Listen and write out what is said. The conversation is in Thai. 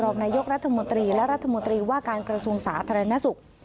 รองนายกรัฐมนตรีและรัฐมนตรีว่าการกระทรวงสาธารณสุข